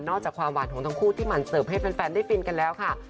จากความหวานของทั้งคู่ที่หมั่นเสิร์ฟให้แฟนได้ฟินกันแล้วค่ะ